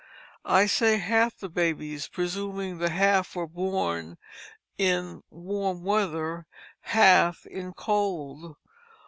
I say half the babies, presuming that half were born in warm weather, half in cold.